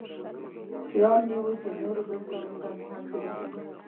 خیال مې و چې نورو دوستانو ته هم تیلفون وکړم.